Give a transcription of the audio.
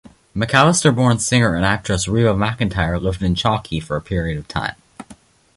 McAlester-born singer and actress Reba McEntire lived in Chockie for a period of time.